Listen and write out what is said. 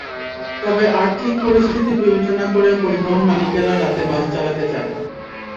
তবে আর্থিক পরিস্থিতি বিবেচনা করে পরিবহন মালিকেরা রাতে বাস চালাতে চান।